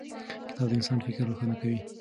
کتاب د انسان فکر روښانه کوي.